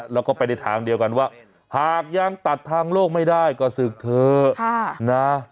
แล้วก็ไปในทางเดียวกันว่าหากยังตัดทางโลกไม่ได้ก็ศึกเถอะนะ